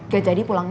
gak jadi pulangnya